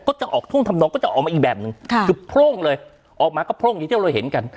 ก็จะออกทุ่งทำนองก็จะออกมาอีกแบบนึงคือโพ่งเลยออกมาก็โพร่งอย่างที่เราเห็นกัน